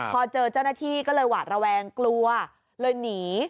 พอเจอเจ้าหน้าที่ก็เลยหวาดระแวงกลัวเลยหนี